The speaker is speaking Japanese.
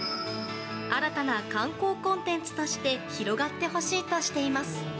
新たな観光コンテンツとして広がってほしいとしています。